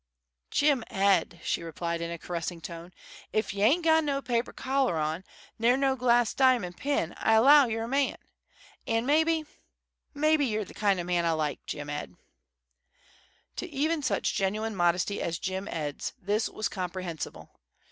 "Jim Ed," she replied, in a caressing tone, "ef y' ain't got no paper collar on, ner no glas' di'mon' pin, I allow ye're a man. An' maybe maybe ye're the kind of man I like, Jim Ed." To even such genuine modesty as Jim Ed's this was comprehensible.